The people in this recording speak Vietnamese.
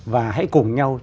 và hãy cùng nhau